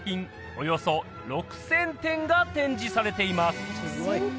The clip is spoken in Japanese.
およそ６０００点が展示されています